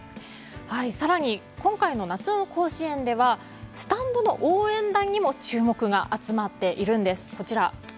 更に、今回の夏の甲子園ではスタンドの応援団にも注目が集まっているんです。